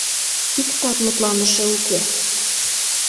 Иктат мутланыше уке.